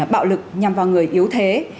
bạo lực nhằm vào người yếu thế